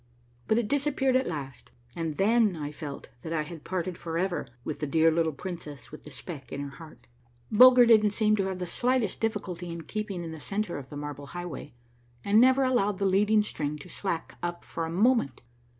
But it disappeared at last, and then I felt that I had parted forever with the dear little princess with the speck in her heart. Bulger didn't seem to have the slightest difficulty in keeping in the centre of the Marble Highway, and never allowed the leading string to slack up for a moment.